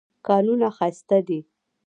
کانونه ښایسته دي.